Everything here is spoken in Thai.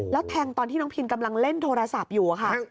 แล้วแทงตอนที่น้องพินกำลังเล่นโทรศัพท์อยู่ค่ะ